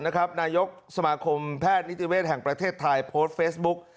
นายกสมาคมแพทย์นิติเวศแห่งประเทศไทยโพสต์เฟซบุ๊ก